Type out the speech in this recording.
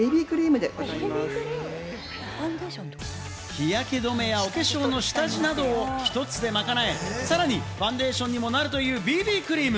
日焼け止めやお化粧の下地などを１つで賄え、さらにはファンデーションにもなるというＢＢクリーム。